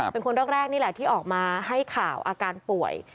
เป็นคนแรกนี่แหละที่ออกมาให้ข่าวอาการป่วย